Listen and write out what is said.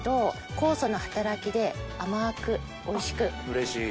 うれしい。